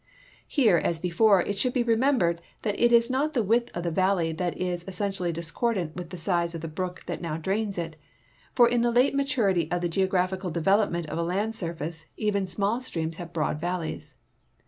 Here, as before, it should be remembered that it is not the width of the valley that is essentially discordant with the size of the brook that now drains it; for in the late maturity of the geogra))hical development of a land surface even small streams have broad valleys.